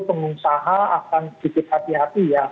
pengusaha akan sedikit hati hati ya